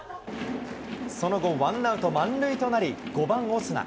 その後、ワンアウト満塁となり、５番オスナ。